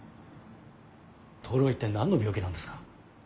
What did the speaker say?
透は一体何の病気なんですか？